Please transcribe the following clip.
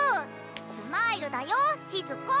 スマイルだよしず子！